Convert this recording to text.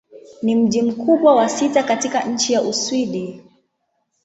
Ni mji mkubwa wa sita katika nchi wa Uswidi.